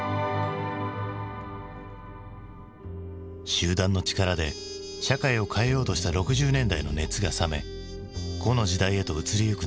集団の力で社会を変えようとした６０年代の熱が冷め「個」の時代へと移りゆく